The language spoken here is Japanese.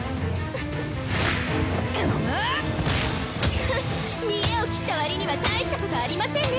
ふんっ見得を切った割には大したことありませんね